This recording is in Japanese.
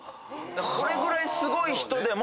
これぐらいすごい人でも。